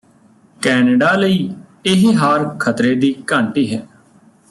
Canada ਲਈ ਇਹ ਹਾਰ ਖ਼ਤਰੇ ਦੀ ਘੰਟੀ ਹੈ